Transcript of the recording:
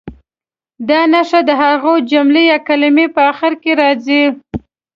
دا نښه د هغې جملې یا کلمې په اخر کې راځي.